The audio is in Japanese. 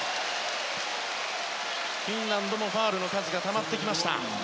フィンランドもファウルの数がたまってきました。